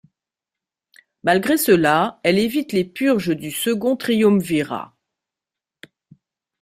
Malgré cela, elle évite les purges du second triumvirat.